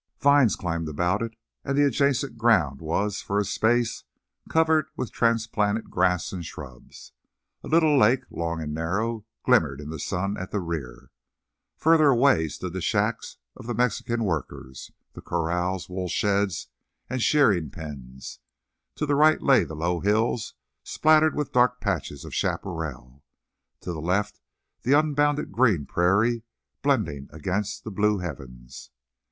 Vines climbed about it, and the adjacent ground was, for a space, covered with transplanted grass and shrubs. A little lake, long and narrow, glimmered in the sun at the rear. Further away stood the shacks of the Mexican workers, the corrals, wool sheds and shearing pens. To the right lay the low hills, splattered with dark patches of chaparral; to the left the unbounded green prairie blending against the blue heavens.